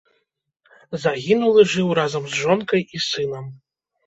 Загінулы жыў разам з жонкай і сынам.